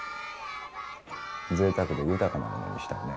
ぜいたくで豊かなものにしたいね。